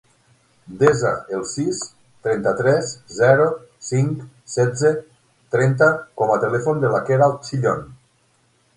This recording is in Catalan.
Desa el sis, trenta-tres, zero, cinc, setze, trenta com a telèfon de la Queralt Chillon.